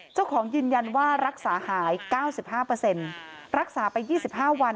เจ้าของยืนยันว่ารักษาหายเก้าสิบห้าเปอร์เซ็นต์รักษาไปยี่สิบห้าวัน